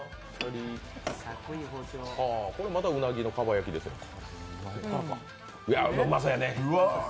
これはまだうなぎのかば焼きですよね。